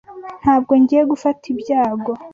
Ntabwo ngiye gufata ibyago.